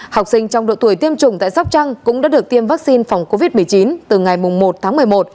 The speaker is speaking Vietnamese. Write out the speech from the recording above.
học sinh trong độ tuổi tiêm chủng tại sóc trăng cũng đã được tiêm vaccine phòng covid một mươi chín từ ngày một tháng một mươi một